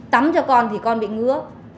tắm cho con thì con bị ngứa